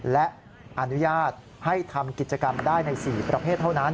และอนุญาตให้ทำกิจกรรมได้ใน๔ประเภทเท่านั้น